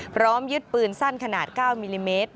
พร้อมยึดปืนสั้นขนาด๙มิลลิเมตร